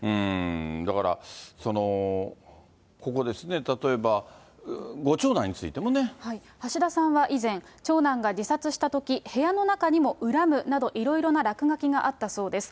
だからここですね、例えば、橋田さんは以前、長男が自殺したとき、部屋の中にも、恨むなどいろいろな落書きがあったそうです。